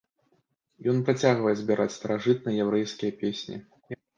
Ён працягвае збіраць старажытныя яўрэйскія песні.